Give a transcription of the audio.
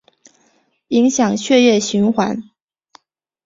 影响血液循环